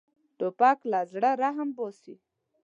توپک له زړه رحم باسي.